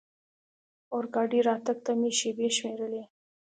اورګاډي راتګ ته مې شېبې شمېرلې.